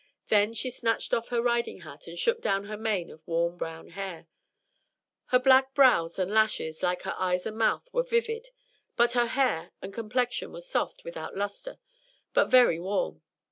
Then she snatched off her riding hat and shook down her mane of warm brown hair. Her black brows and lashes, like her eyes and mouth, were vivid, but her hair and complexion were soft, without lustre, but very warm.